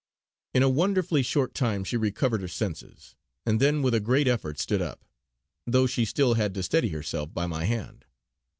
In a wonderfully short time she recovered her senses, and then with a great effort stood up; though she still had to steady herself by my hand.